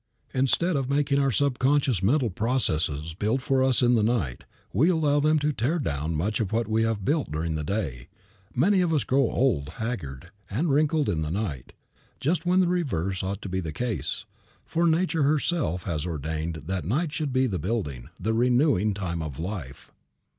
Instead of making our subconscious mental processes build for us in the night, we allow them to tear down much of what we have built during the day. Many of us grow old, haggard and wrinkled in the night, when just the reverse ought to be the case, for Nature herself has ordained that night should be the building, the renewing, time of life.